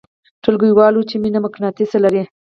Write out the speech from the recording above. ټولګیوالو ویل چې مینه مقناطیس لري